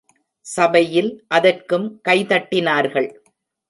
சபையில் அதற்கும் கை தட்டினார்கள்.